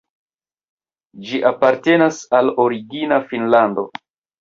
Ĝi apartenas al Origina Finnlando.